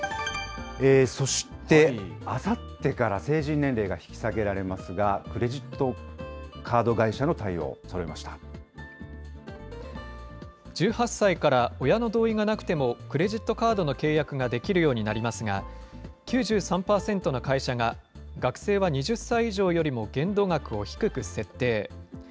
そして、あさってから成人年齢が引き下げられますが、クレジットカード会社の対応、１８歳から親の同意がなくても、クレジットカードの契約ができるようになりますが、９３％の会社が、学生は２０歳以上よりも限度額を低く設定。